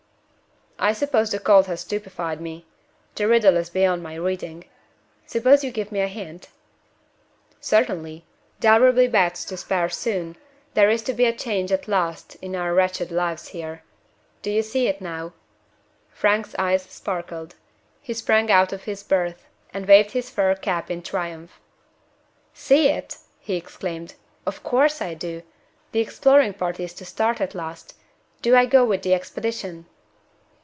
"I suppose the cold has stupefied me. The riddle is beyond my reading. Suppose you give me a hint?" "Certainly. There will be beds to spare soon there is to be a change at last in our wretched lives here. Do you see it now?" Frank's eyes sparkled. He sprang out of his berth, and waved his fur cap in triumph. "See it?" he exclaimed; "of course I do! The exploring party is to start at last. Do I go with the expedition?"